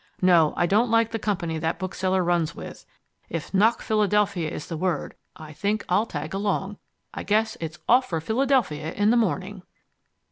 No, I don't like the company that bookseller runs with. If 'nach Philadelphia' is the word, I think I'll tag along. I guess it's off for Philadelphia in the morning!"